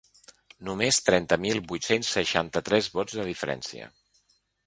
Només trenta mil vuit-cents seixanta-tres vots de diferència.